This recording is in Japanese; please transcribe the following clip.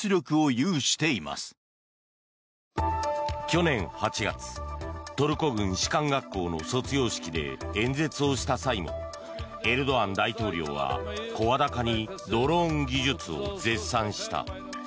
去年８月、トルコ軍士官学校の卒業式で演説をした際もエルドアン大統領は声高にドローン技術を絶賛した。